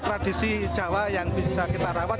tradisi jawa yang bisa kita rawat